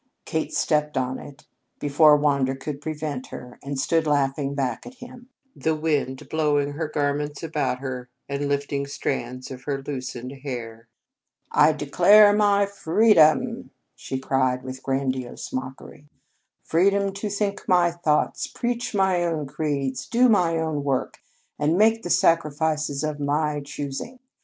Kate stepped on it, before Wander could prevent her, and stood laughing back at him, the wind blowing her garments about her and lifting strands of her loosened hair. "I declare my freedom!" she cried with grandiose mockery. "Freedom to think my own thoughts, preach my own creeds, do my own work, and make the sacrifices of my own choosing.